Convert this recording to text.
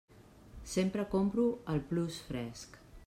Sempre compro al Plus Fresc.